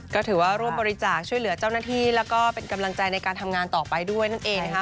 ก็ถือว่าร่วมบริจาคช่วยเหลือเจ้าหน้าที่แล้วก็เป็นกำลังใจในการทำงานต่อไปด้วยนั่นเองนะคะ